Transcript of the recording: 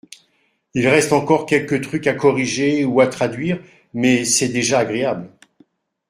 Il reste encore quelques trucs à corriger ou à traduire mais c’est déjà agréable.